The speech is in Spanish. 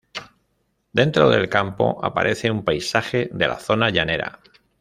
Dentro del campo, aparece un paisaje de la zona llanera.